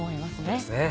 そうですね。